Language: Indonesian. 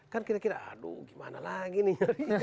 kan kira kira aduh gimana lagi nih